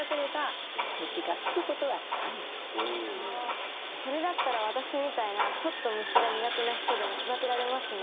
ああそれだったら私みたいなちょっと虫が苦手な人でも育てられますね。